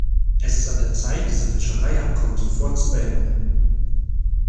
Es ist an der Zeit, diese Fischereiabkommen sofort zu beenden.